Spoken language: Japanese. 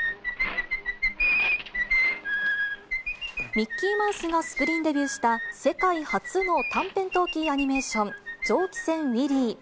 ミッキーマウスがスクリーンデビューした世界初の短編トーキーアニメーション、蒸気船ウィリー。